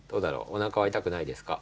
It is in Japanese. おなかは痛くないですか？